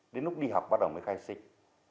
đến lúc đi học bắt đầu mới khai sinh